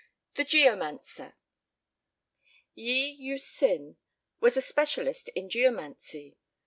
XV THE GEOMANCER [Yi Eui sin was a specialist in Geomancy.